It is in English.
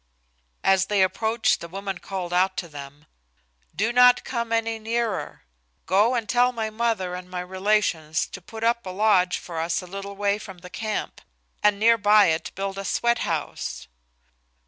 As they approached the woman called out to them, "Do not come any nearer. Go and tell my mother and my relations to put up a lodge for us a little way from the camp, and near by it build a sweat house."